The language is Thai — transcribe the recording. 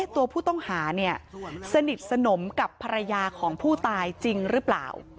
ตัวผู้ต้องหาสนิทสนมกับภรรยาของผู้ตายจริงหรือเปล่า